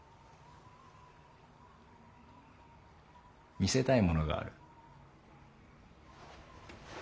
見せたいものがある。